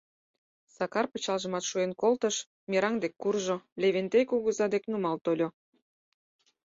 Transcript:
Сакар пычалжымат шуэн колтыш, мераҥ дек куржо, Левентей кугыза дек нумал тольо.